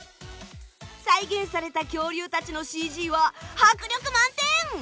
再現された恐竜たちのＣＧは迫力満点！